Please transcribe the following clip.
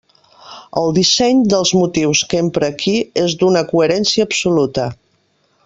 El disseny dels motius que empra aquí és d'una coherència absoluta.